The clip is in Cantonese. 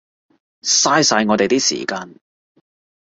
嘥晒我哋啲時間